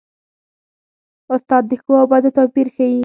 استاد د ښو او بدو توپیر ښيي.